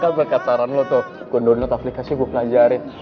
kan berkat saran lo tuh gue download aplikasi gue pelajarin